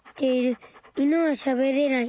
イヌはしゃべれない。